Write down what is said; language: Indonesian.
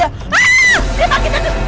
aaaaah dia panggil tadi